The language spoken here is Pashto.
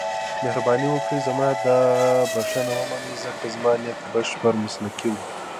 مهرباني وکړئ زما دا بښنه ومنئ، ځکه زما نیت بشپړ مسلکي و.